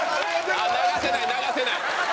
流せない流せない！